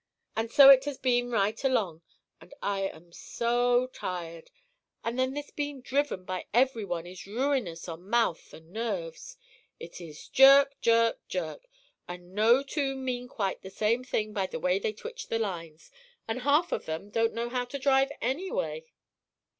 "And so it has been right along, and I am so tired; and then this being driven by every one is ruinous on mouth and nerves. It is jerk, jerk, jerk! and no two mean quite the same thing by the way they twitch the lines, and half of them don't know how to drive anyway."